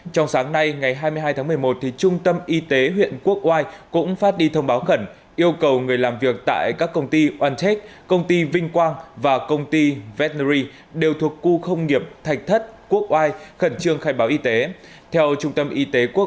trong sáng nay ngày hai mươi hai tháng một mươi một trung tâm y tế huyện quốc oai cũng phát đi thông báo khẩn yêu cầu người làm việc tại các công ty